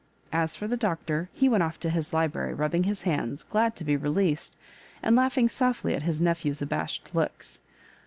As for the Doctor, he went oflf to his library rubbing his hands, glad to be released, and laughing softly at his nephew's abashed looks.